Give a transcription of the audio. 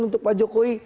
untuk pak jokowi